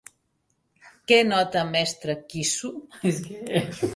Què nota Mestre Quissu?